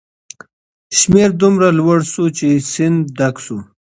شمیر دومره لوړ شو چې سیند ډک شو.